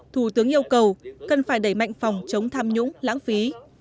thủ tướng yêu cầu cần phải đẩy mạnh phòng chống tham nhũng lãng phí